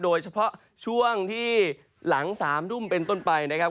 โดยเฉพาะช่วงที่หลัง๓ทุ่มเป็นต้นไปนะครับ